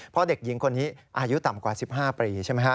เพราะเด็กหญิงคนนี้อายุต่ำกว่า๑๕ปีใช่ไหมฮะ